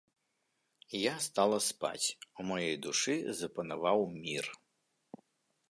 І я стала спаць, у маёй душы запанаваў мір.